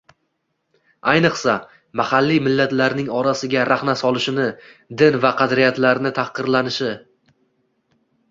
Ayniqsa, mahalliy millatlarning orasiga rahna solinishi, din va qadriyatlarning tahqirlanishi